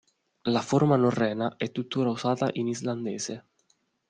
La forma norrena è tuttora usata in islandese.